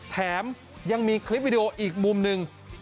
แถมยังมีคลิปวิดีโออีกมุมหนึ่ง